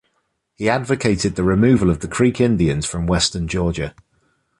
He advocated the removal of the Creek Indians from western Georgia.